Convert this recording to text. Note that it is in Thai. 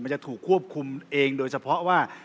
จะถูกควบคุมเองโดยเฉพาะว่า